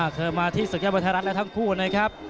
เคยมาที่ศึกเยี่ยมไทยรัฐนะทั้งคู่นะครับ